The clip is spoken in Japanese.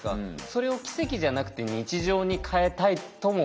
それを奇跡じゃなくて日常に変えたいとも思いますよね。